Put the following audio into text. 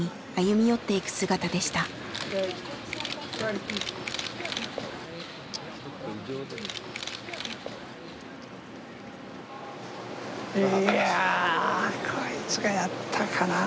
いやこいつがやったかな。